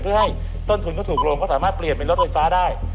เพื่อให้ต้นทุนก็ถูกลงก็สามารถเปลี่ยนเป็นรถไฟฟ้าได้